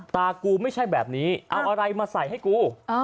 กูไม่ใช่แบบนี้เอาอะไรมาใส่ให้กู